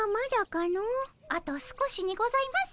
あと少しにございます。